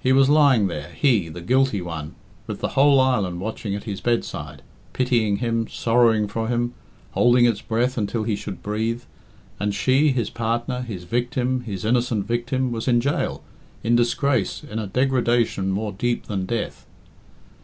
He was lying there, he, the guilty one, with the whole island watching at his bedside, pitying him, sorrowing for him, holding its breath until he should breathe, and she, his partner, his victim, his innocent victim, was in jail, in disgrace, in a degradation more deep than death.